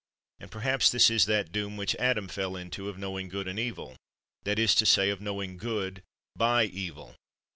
And perhaps this is that doom which Adam fell into of knowing good and evil — that is to say, of knowing good by evil.